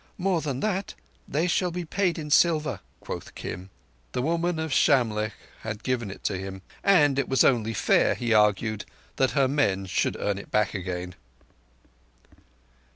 "More than that, they shall be paid in silver," quoth Kim. The Woman of Shamlegh had given it to him; and it was only fair, he argued, that her men should earn it back again.